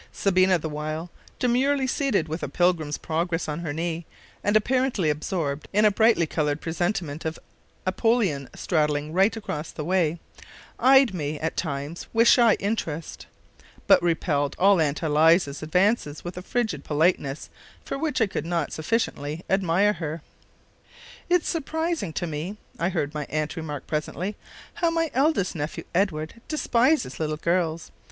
Sabina the while, demurely seated with a Pilgrim's Progress on her knee, and apparently absorbed in a brightly coloured presentment of "Apollyon Straddling Right across the Way," eyed me at times with shy interest; but repelled all Aunt Eliza's advances with a frigid politeness for which I could not sufficiently admire her. "It's surprising to me," I heard my aunt remark presently, "how my eldest nephew, Edward, despises little girls.